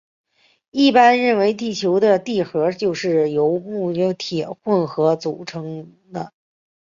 一般认为地球的地核就是由镍铁混合物所组成的。